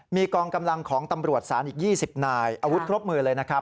มีกองกำลังของตำรวจศาลอีก๒๐นายอาวุธครบมือเลยนะครับ